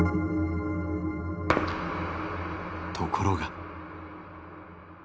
ところが。